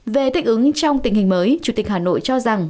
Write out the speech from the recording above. về thích ứng trong tình hình mới chủ tịch hà nội cho rằng